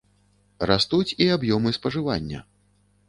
Растуць і аб'ёмы спажывання.